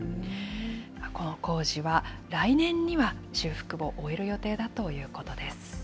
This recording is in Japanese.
この工事は、来年には修復を終える予定だということです。